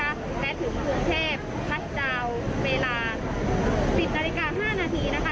และถึงพรุงเทพฯพัดเจาะเวลา๑๐นาทีก็๕นาทีนะคะ